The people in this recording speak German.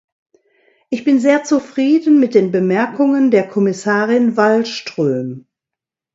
Ich bin sehr zufrieden mit den Bemerkungen der Kommissarin Wallström.